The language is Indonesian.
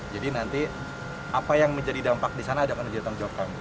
jadi nanti apa yang menjadi dampak di sana ada penerjaan jawab kami